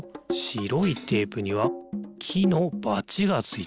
しろいテープにはきのバチがついてる。